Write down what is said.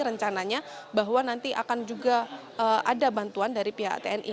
rencananya bahwa nanti akan juga ada bantuan dari pihak tni